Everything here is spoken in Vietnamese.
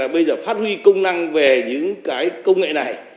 bây giờ phát huy công năng về những cái công nghệ này